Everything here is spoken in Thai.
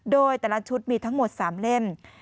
โดยแต่ละชุดมีทั้งหมด๓เล่ม